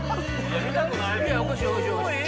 見たくないもう。